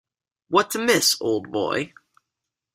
What's amiss, old boy?